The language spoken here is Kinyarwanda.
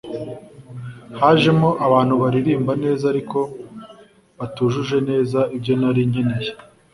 hajemo abantu baririmba neza ariko batujuje neza ibyo nari nkeneye